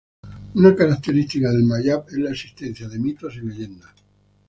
Una característica del Mayab es la existencia de mitos y leyendas.